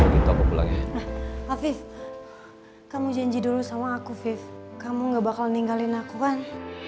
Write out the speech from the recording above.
kita pulang ya afif kamu janji dulu sama aku vy kamu nggak bakal ninggalin aku kan